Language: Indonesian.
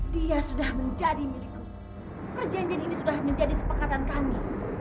dia sudah menjadi milikku perjanjian ini sudah menjadi sepakatan kami